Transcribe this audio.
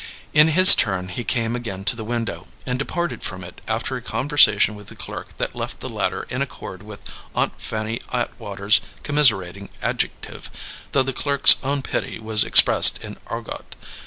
In his turn he came again to the window, and departed from it after a conversation with the clerk that left the latter in accord with Aunt Fanny Atwater's commiserating adjective, though the clerk's own pity was expressed in argot.